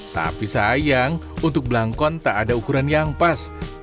tapi sayang untuk belangkon tak ada ukuran yang pas